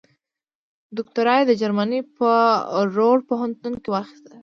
دوکتورا یې د جرمني په رور پوهنتون کې واخیسته.